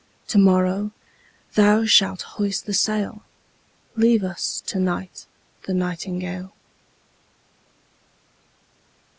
To morrow thou shalt hoist the sail; Leave us to night the nightingale.